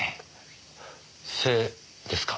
背ですか？